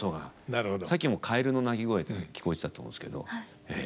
さっきも蛙の鳴き声聞こえてたと思うんですけどええ。